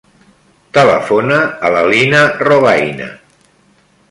Telefona a la Lina Robayna.